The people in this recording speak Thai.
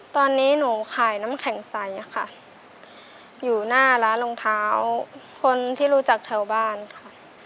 ตอนนี้หนูขายน้ำแข็งใสค่ะอยู่หน้าร้านรองเท้าคนที่รู้จักแถวบ้านค่ะ